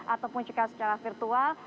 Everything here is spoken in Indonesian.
ataupun juga secara virtual